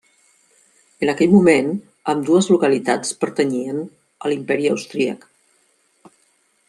En aquell moment ambdues localitats pertanyien a l'Imperi Austríac.